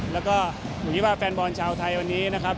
แล้วก็ผมคิดว่าแฟนบอลชาวไทยวันนี้นะครับ